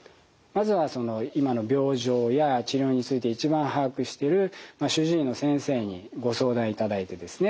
まずは今の病状や治療について一番把握している主治医の先生にご相談いただいてですね